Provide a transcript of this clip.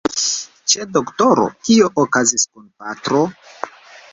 Ĉe doktoro? Kio okazis kun patro?